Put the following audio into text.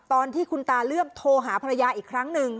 ตอนที่คุณตาเลื่อมโทรหาภรรยาอีกครั้งหนึ่ง